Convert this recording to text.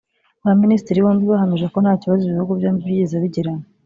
Ba Minisitiri bombi bahamije ko nta kibazo ibihugu byombi byigeze bigirana